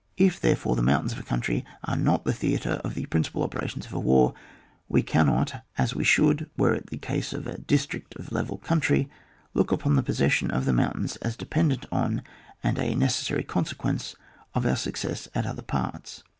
If, therefore, the mountains of a country are not the theatre of the principal operations of a war, we cannot, as we should were it the case of a district of level country, look upon the possession of the mountains as dependent on and a necessary consequence of our success at other parts.